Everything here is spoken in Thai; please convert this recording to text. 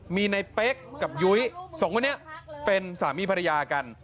มีในเป๊กกับยุ้ยสองคนนี้เป็นสามีภรรยากัน